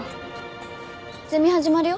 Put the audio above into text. ゼミ始まるよ。